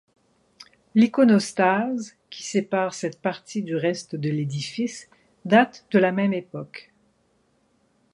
L'iconostase, qui sépare cette partie du reste de l'édifice, date de la même époque.